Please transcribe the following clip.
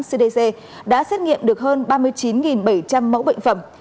cdc đã xét nghiệm được hơn ba mươi chín bảy trăm linh mẫu bệnh phẩm